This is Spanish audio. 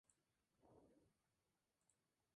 Este evento contribuyó a unir a los futuros fundadores.